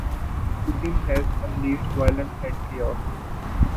Putin has unleashed violence and chaos.